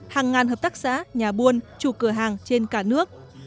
hàng ngàn hợp tác xã nhà buôn chủ cửa hàng trên cả nước